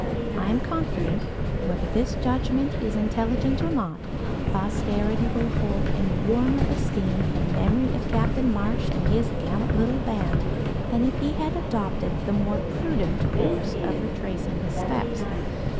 I am confident, whether this judgment is intelligent or not, posterity will hold in warmer esteem the memory of Captain Marsh and his gallant little band than if he had adopted the more prudent course of retracing his steps.